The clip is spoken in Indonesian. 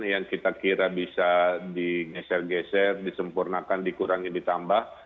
yang kita kira bisa di ngeser ngeser disempurnakan dikurangi ditambah